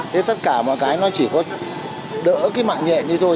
thế tất cả mọi cái nó chỉ có đỡ cái mạng nhẹ như thôi